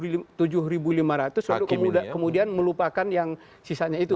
lalu kemudian melupakan yang sisanya itu